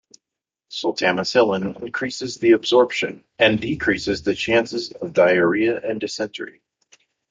Sultamicillin increases the absorption and decreases the chances of diarrhea and dysentery.